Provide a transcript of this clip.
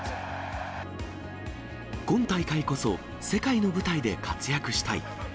今大会こそ、世界の舞台で活躍したい。